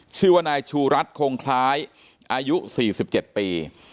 ชื่อว่านายชูรัฐคงคล้ายอายุ๔๗ปี